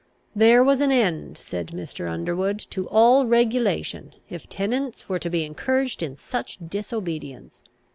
There was an end, said Mr. Underwood, to all regulation, if tenants were to be encouraged in such disobedience.